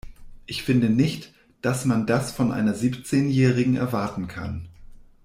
Ich finde nicht, dass man das von einer Siebzehnjährigen erwarten kann.